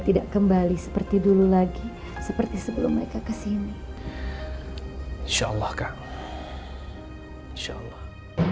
tidak kembali seperti dulu lagi seperti sebelum mereka kesini insyaallah kak insyaallah